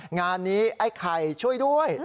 งานนี้ไอ้ไข่ช่วยด้วย